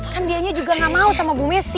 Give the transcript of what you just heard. kan dianya juga gak mau sama bu messi